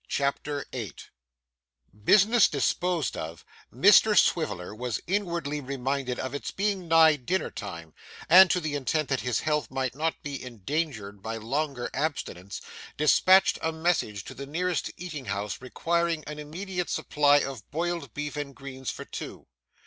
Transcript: CHAPTER 8 Business disposed of, Mr Swiveller was inwardly reminded of its being nigh dinner time, and to the intent that his health might not be endangered by longer abstinence, dispatched a message to the nearest eating house requiring an immediate supply of boiled beef and greens for two.